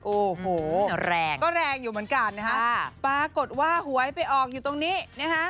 โอ้โหแรงก็แรงอยู่เหมือนกันนะฮะปรากฏว่าหวยไปออกอยู่ตรงนี้นะฮะ